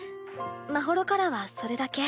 まほろからはそれだけ。